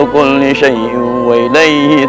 sekarang kau harus mencari kesehatan